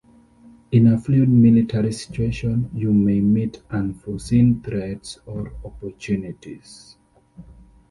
In a fluid military situation you may meet unforeseen threats or opportunities.